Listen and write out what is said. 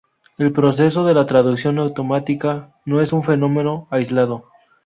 El progreso de la traducción automática no es un fenómeno aislado.